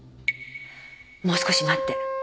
もう少し待って。